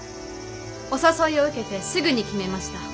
お誘いを受けてすぐに決めました。